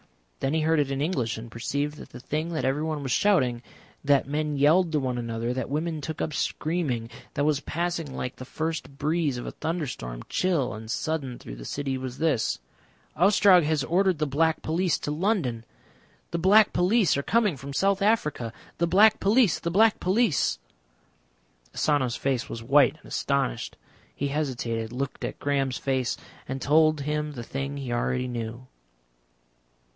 Then he heard it in English and perceived that the thing that everyone was shouting, that men yelled to one another, that women took up screaming, that was passing like the first breeze of a thunderstorm, chill and sudden through the city, was this: "Ostrog has ordered the Black Police to London. The Black Police are coming from South Africa.... The Black Police. The Black Police." Asano's face was white and astonished; he hesitated, looked at Graham's face, and told him the thing he already knew.